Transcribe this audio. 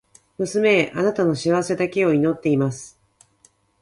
娘へ、貴女の幸せだけを祈っています。